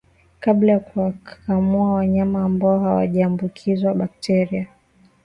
kabla ya kuwakamua wanyama ambao hawajaambukizwa Bakteria